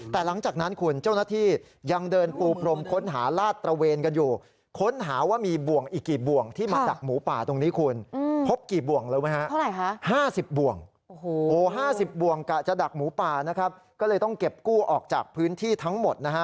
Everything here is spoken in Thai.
แต่หลังจากนั้นคุณเจ้าหน้าที่ยังเดินปูพรม